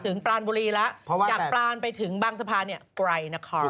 ปรานบุรีแล้วจากปลานไปถึงบางสะพานเนี่ยไกลนคร